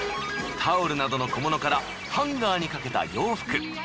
タオルなどの小物からハンガーにかけた洋服